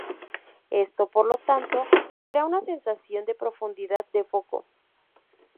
Esto, por lo tanto, crea una sensación de profundidad de foco.